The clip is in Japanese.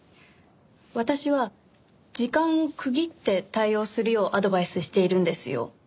私は時間を区切って対応するようアドバイスしているんですよ。